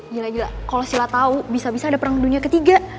gila gila kalau sila tahu bisa bisa ada perang dunia ketiga